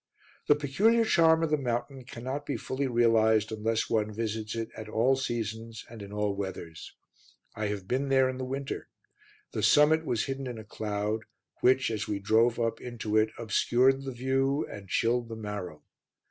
The peculiar charm of the mountain cannot be fully realized unless one visits it at all seasons and in all weathers. I have been there in the winter; the summit was hidden in a cloud which, as we drove up into it, obscured the view and chilled the marrow.